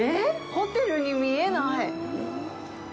ホテルに見えない！